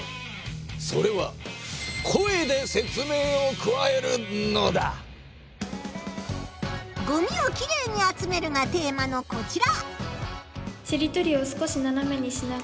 それは「ごみをキレイに集める」がテーマのこちら。